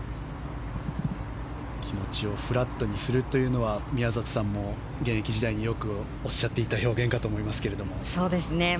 気持ちをフラットにするというのは宮里さんも現役時代におっしゃっていた表現かと思いますが。